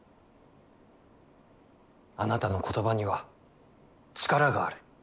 あなたの言葉には力がある。